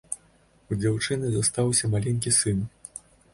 У дзяўчыны застаўся маленькі сын.